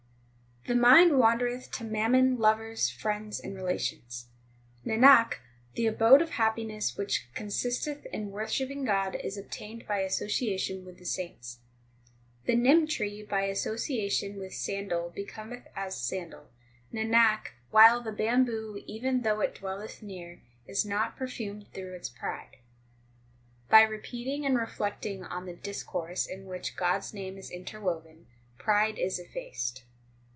4 The mind wandereth to mammon, lovers, friends, and relations. Nanak, the abode of happiness which consisteth in wor shipping God is obtained by association with the saints. 5 The nim tree by association with sandal becometh as sandal, Nanak, while the bamboo, even though it dwelleth near, is not perfumed through its pride. 6 By repeating and reflecting on the discourse in which God s name is interwoven, pride is effaced.